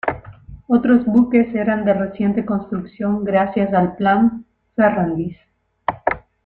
Otros buques eran de reciente construcción gracias al Plan Ferrándiz.